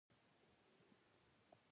کتاب پړمخې پر مځکه باندې،